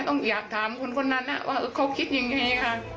ต้องอยากถามคนนั้นว่าเขาคิดอย่างไร